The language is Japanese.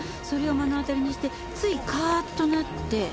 それを目の当たりにしてついカーッとなって。